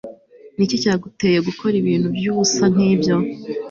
Niki cyaguteye gukora ibintu byubusa nkibyo